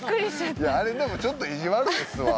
いやあれでもちょっと意地悪ですわ。